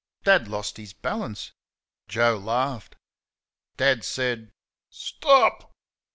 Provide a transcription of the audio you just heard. Dad lost his balance. Joe laughed. Dad said, "St o op!"